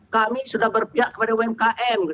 kami sudah berpihak kepada umkm